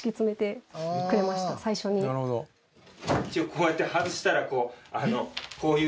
こうやって外したらこういうやつを。